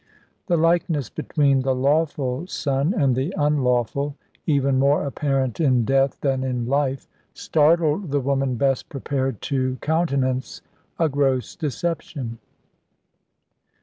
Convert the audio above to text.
The likeness between the lawful son and the unlawful, even more apparent in death than in life, startled the woman best prepared to countenance a gross deception.